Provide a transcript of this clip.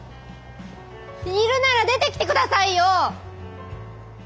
いるなら出てきてくださいよ！